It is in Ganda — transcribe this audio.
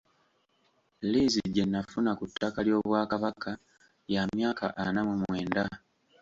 Liizi gye nafuna ku ttaka ly'Obwakabaka ya myaka ana mu mwenda.